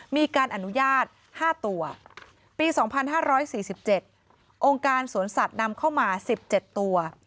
มีการอนุญาต๕ตัว